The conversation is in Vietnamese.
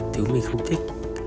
thứ mình không thích